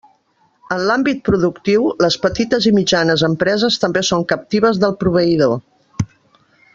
En l'àmbit productiu, les petites i mitjanes empreses també són captives del proveïdor.